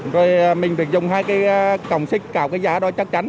rồi mình phải dùng hai cái cổng xích cảo cái giá đó chắc chắn